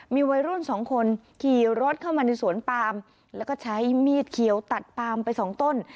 มีวัยรุ่นสองคนขี่รถเข้ามาในสวนปามแล้วก็ใช้มีดเขียวตัดปามไปสองต้น